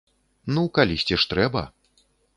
Ну калісьці ж трэба.